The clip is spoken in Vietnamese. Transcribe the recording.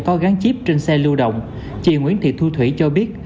có gắn chip trên xe lưu động chị nguyễn thị thu thủy cho biết